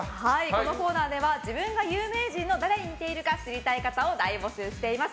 このコーナーでは自分が有名人の誰に似ているか知りたい方を大募集しています。